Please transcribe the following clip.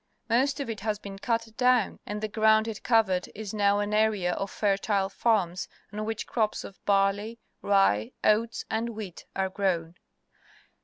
Most of it has been cut down, and the ground it covered is now an area of fertile farms, on which crops of barley, rye, oats, and wheat are grown.